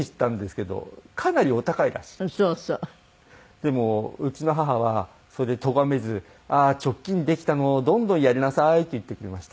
でもうちの母はそれをとがめず「ああチョッキンできたの？どんどんやりなさい」って言ってくれました。